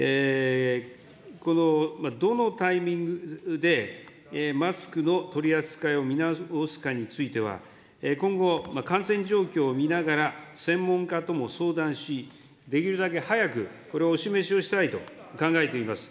この、どのタイミングで、マスクの取り扱いを見直すかについては、今後、感染状況を見ながら専門家とも相談し、できるだけ早くこれをお示しをしたいと考えています。